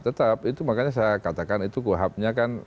tetap makanya saya katakan itu khabnya kan